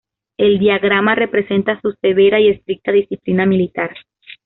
El diagrama representa su severa y estricta disciplina militar.